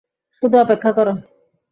শুধু অপেক্ষা কর।